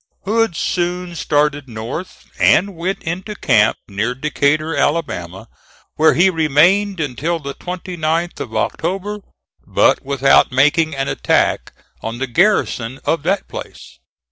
Hood soon started north, and went into camp near Decatur, Alabama, where he remained until the 29th of October, but without making an attack on the garrison of that place.